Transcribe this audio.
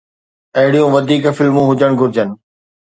اهڙيون وڌيڪ فلمون هجڻ گهرجن